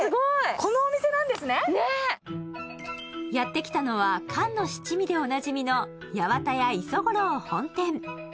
このお店なんですねねえやってきたのは缶の七味でおなじみの八幡屋礒五郎本店